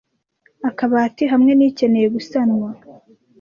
akabati hamwe n’ikeneye gusanwa